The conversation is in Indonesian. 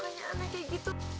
kenapa mukanya anak kayak gitu